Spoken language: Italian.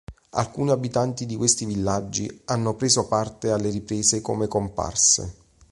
Alcuni abitanti di questi villaggi hanno preso parte alle riprese come comparse.